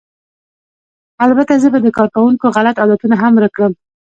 البته زه به د کارکوونکو غلط عادتونه هم ورک کړم